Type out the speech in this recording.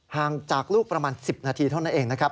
ห่างจากลูกประมาณ๑๐นาทีเท่านั้นเองนะครับ